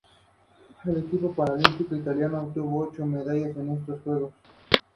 Fue un grupo vanguardista muy importante de la posguerra.